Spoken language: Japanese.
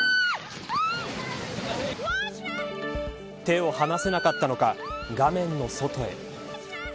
手を離せなかったのか画面の外へ。